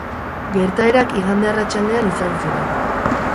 Gertaerak igande arratsaldean izan ziren.